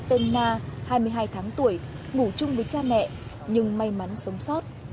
ông mỹ tên na hai mươi hai tháng tuổi ngủ chung với cha mẹ nhưng may mắn sống sót